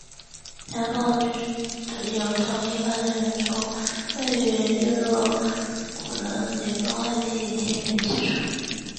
两个包裹均由同一发件人从位于日落谷的联邦快递店面寄出。